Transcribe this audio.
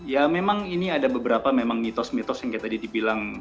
ya memang ini ada beberapa memang mitos mitos yang kayak tadi dibilang